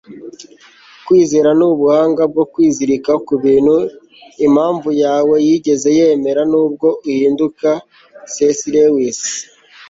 kwizera ni ubuhanga bwo kwizirika ku bintu impamvu yawe yigeze yemera nubwo uhinduka - c s lewis